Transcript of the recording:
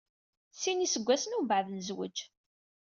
Sin iseggasen umbaɛd, nezweǧ.